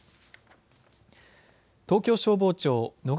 東京消防庁野方